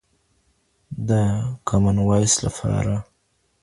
د Common Voice لپاره.